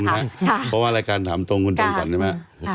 เพราะว่ารายการถามตรงคุณตรงก่อนนะครับ